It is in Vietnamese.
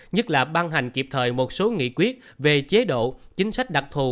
nhất là ban hành kịp thời một số nghị quyết về chế độ chính sách đặc thù